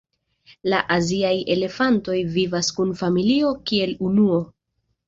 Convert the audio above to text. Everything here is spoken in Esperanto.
La aziaj elefantoj vivas kun familio kiel unuo.